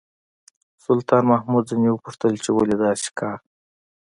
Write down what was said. سلطان محمود ځنې وپوښتل چې ولې داسې کا.